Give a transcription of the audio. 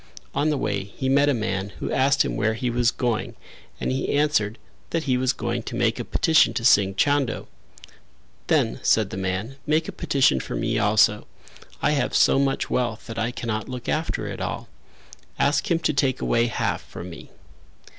On the way he met a man who asked him where he was going and he answered that he was going to make a petition to Singh Chando. "Then," said the man, "make a petition for me also. I have so much wealth that I cannot look after it all; ask him to take away half from me."